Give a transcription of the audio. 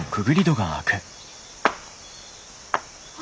あ。